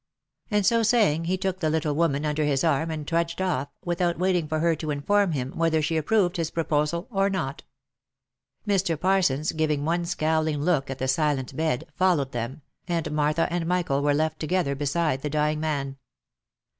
And so saying, he took the little woman under his arm and trudged off, without waiting for her to inform him whether she approved his proposal, or not. Mr. Parsons, giving one scowling look at the silent bed, followed them, and Martha and Michael were left together beside the dying roan.